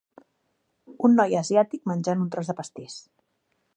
Un noi asiàtic menjant un tros de pastís.